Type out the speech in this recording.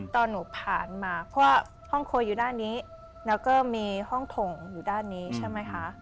ตอนหนูผ่านมาเพราะว่าห้องครัวอยู่ด้านนี้แล้วก็มีห้องถงอยู่ด้านนี้ใช่ไหมคะ